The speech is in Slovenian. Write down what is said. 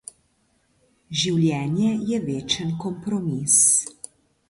Življenje je večen kompromis.